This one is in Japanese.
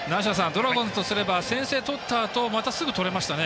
ドラゴンズとすれば先制をとったあとまた、すぐ、とれましたね。